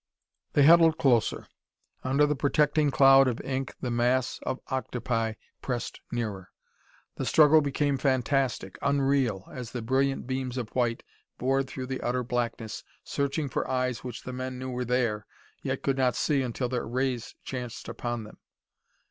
They huddled closer. Under the protecting cloud of ink the mass of octopi pressed nearer. The struggle became fantastic, unreal, as the brilliant beams of white bored through the utter blackness searching for eyes which the men knew were there, yet could not see until their rays chanced upon them.